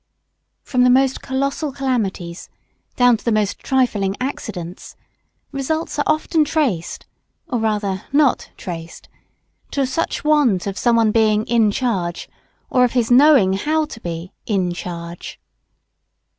From the most colossal calamities, down to the most trifling accidents, results are often traced (or rather not traced) to such want of some one "in charge" or of his knowing how to be "in charge."